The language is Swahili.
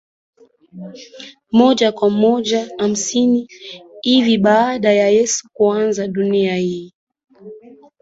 moja kwa moja miaka hamsini hivi baada ya Yesu kuaga dunia Ni